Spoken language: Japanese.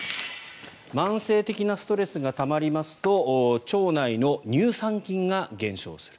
慢性的なストレスがたまりますと腸内の乳酸菌が減少する。